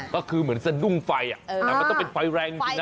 ก็คือเหมือนเส้นนุ่งไฟถ้าเป็นไฟแรงจริงนะ